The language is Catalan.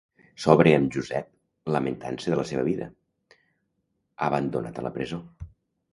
S'obre amb Josep lamentant-se de la seva vida, abandonat a la presó.